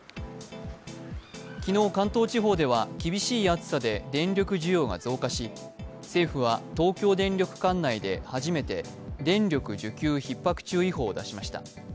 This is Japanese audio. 昨日関東地方では厳しい暑さで電力需要が増加し、政府は東京電力管内で初めて電力需給ひっ迫注意報を出しました。